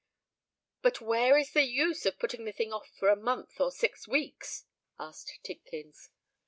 "But where is the use of putting the thing off for a month or six weeks?" asked Tidkins.